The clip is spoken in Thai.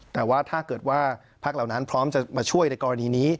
แต่ว่าถ้าเกิดว่าพักเหล่านั้นพร้อมจะมาช่วยในกรณีนี้